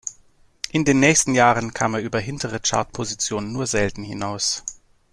In den nächsten Jahren kam er über hintere Chartpositionen nur selten hinaus.